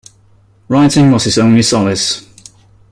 Writing was his only solace